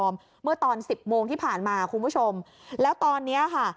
เมื่อตอนสิบโมงที่ผ่านมาคุณผู้ชมแล้วตอนเนี้ยค่ะ